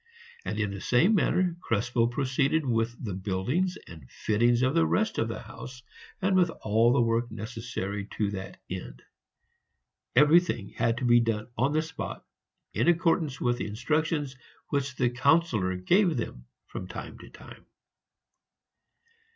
And in the same manner Krespel proceeded with the buildings and fittings of the rest of the house, and with all the work necessary to that end; everything had to be done on the spot in accordance with the instructions which the Councillor gave from time to time.